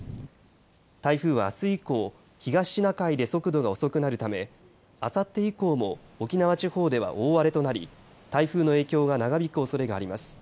台風はあす以降東シナ海で速度が遅くなるためあさって以降も沖縄地方では大荒れとなり台風の影響が長引くおそれがあります。